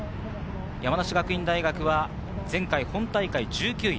山梨学院大学は前回、本大会１９位。